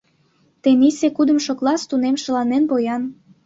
Тенийсе кудымшо класс тунемшылан эн поян.